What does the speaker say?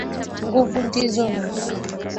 Nguvu ndizo nanga.